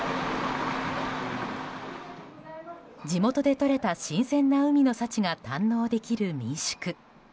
地元でとれた新鮮な海の幸が堪能できる民宿。